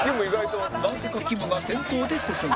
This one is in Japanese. なぜかきむが先頭で進む